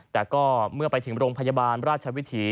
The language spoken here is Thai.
แต่ก็เมื่อไปถึงโรงพยาบาลราชวิถี